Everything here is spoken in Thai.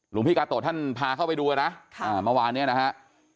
หลวงพี่กาโตะท่านพาเข้าไปดูนะเมื่อวานเนี่ยนะฮะ